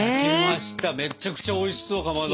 めちゃくちゃおいしそうかまど。